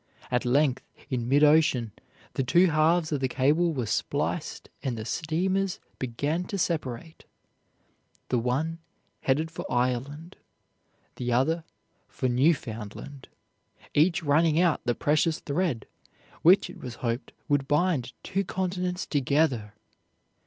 At length in mid ocean the two halves of the cable were spliced and the steamers began to separate, the one headed for Ireland, the other for Newfoundland, each running out the precious thread, which, it was hoped, would bind two continents together.